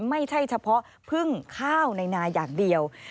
ไม่ใช่เฉพาะพึ่งข้าวในนาอย่างเดียว